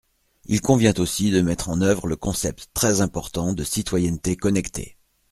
Il convient aussi de mettre en œuvre le concept très important de citoyenneté connectée.